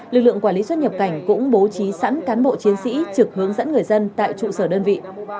lực lượng quản lý xuất nhập cảnh cũng bố trí sẵn cán bộ chiến sĩ trực hướng dẫn người dân tại trụ sở đơn vị